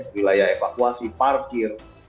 wilayah evakuasi parkir